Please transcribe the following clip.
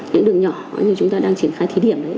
những đường nhỏ như chúng ta đang triển khai thí điểm đấy